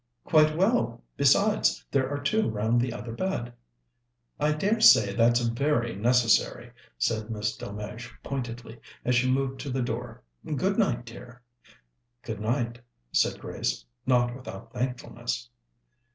"Quite well. Besides, there are two round the other bed." "I dare say that's very necessary," said Miss Delmege pointedly, as she moved to the door. "Good night, dear." "Good night," said Grace, not without thankfulness.